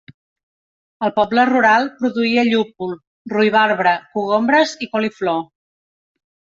El poble rural produïa llúpol, ruibarbre, cogombres i coliflor.